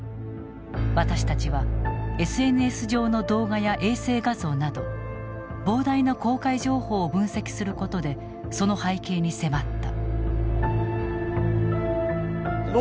私たちはＳＮＳ上の動画や衛星画像など膨大な公開情報を分析することでその背景に迫った。